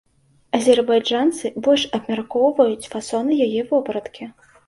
Азербайджанцы больш абмяркоўваюць фасоны яе вопраткі.